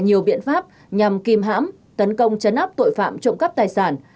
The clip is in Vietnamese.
nhiều biện pháp nhằm kìm hãm tấn công chấn áp tội phạm trộm cắp tài sản